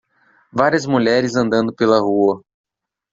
Várias mulheres andando pela rua.